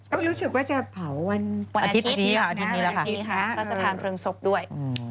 ก็รู้สึกว่าจะเผาวันอาทิตย์นี้แหละค่ะพระราชทานเพลิงศพด้วย